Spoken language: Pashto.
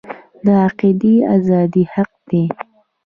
د عقیدې ازادي حق دی